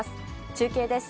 中継です。